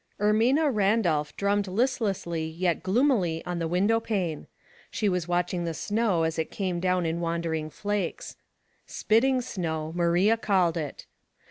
:RMINA RANDOLPH drummed listless ly yet gloomily on the window pane ; she was watching the snow as it came down in wandering flakes. " Spitting snow," Maria called it.